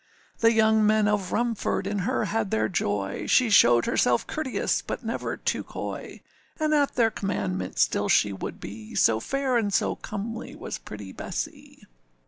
The young men of Rumford in her had their joy, She showed herself courteous, but never too coy, And at their commandment still she would be, So fair and so comely was pretty Bessee.